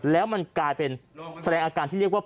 แล้วมันกลายเป็นแสดงอาการที่เรียกว่า